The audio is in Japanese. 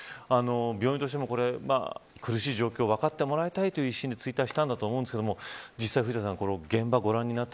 病院としても、これ苦しい状況分かってもらいたいという一心でツイッターしたと思うんですが実際、藤田さん